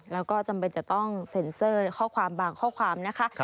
แล้วก็จำเป็นจะต้องเซ็นเซอร์ข้อความบางข้อความนะคะ